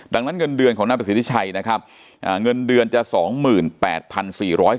ดังนั้นเงินเดือนของนายประสิทธิชัยนะครับเงินเดือนจะ๒๘๔๐๐บาท